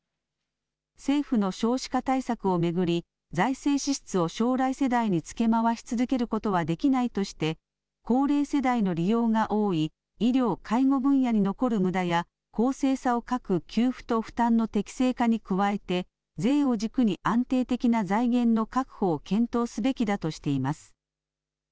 政府の少子化対策を巡り、財政支出を将来世代につけ回し続けることはできないとして、高齢世代の利用が多い医療・介護分野に残るむだや、公正さを欠く給付と負担の適正化に加えて、税を軸に安定的な財源の確保を検討すべきだとしています。